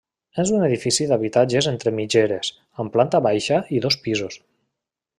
És un edifici d'habitatges entre mitgeres, amb planta baixa i dos pisos.